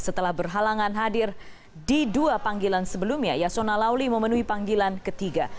setelah berhalangan hadir di dua panggilan sebelumnya yasona lauli memenuhi panggilan ketiga